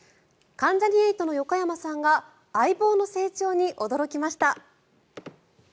関ジャニ∞の横山さんが相棒の成長に驚きました。